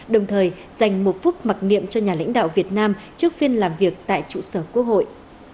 đồng thời dành một phút mặc niệm cho nhà lãnh đạo việt nam trước phiên làm việc tại trụ sở quốc hội